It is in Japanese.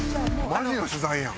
マジの取材やん！